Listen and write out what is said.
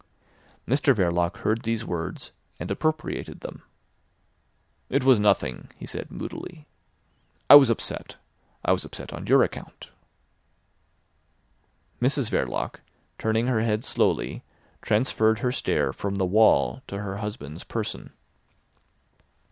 Mr Verloc heard these words and appropriated them. "It was nothing," he said moodily. "I was upset. I was upset on your account." Mrs Verloc, turning her head slowly, transferred her stare from the wall to her husband's person.